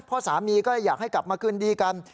เพราะสามีก็เลยอยากให้กลับมาคืนดีกัน